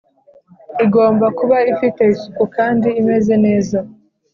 igomba kuba ifite isuku kandi imeze neza